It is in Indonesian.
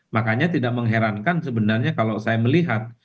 makanya tidak mengherankan sebenarnya kalau saya melihat